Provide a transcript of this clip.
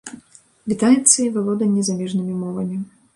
Вітаецца і валоданне замежнымі мовамі.